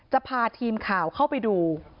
จะพาทีมข่าวเข้าไปดู